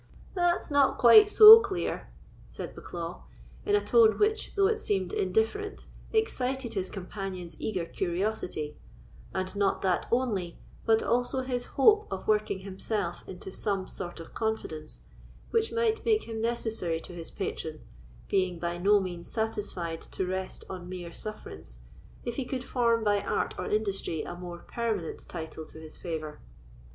"That's not quite so clear," said Bucklaw, in a tone which, though it seemed indifferent, excited his companion's eager curiosity; and not that only, but also his hope of working himself into some sort of confidence, which might make him necessary to his patron, being by no means satisfied to rest on mere sufferance, if he could form by art or industry a more permanent title to his favour.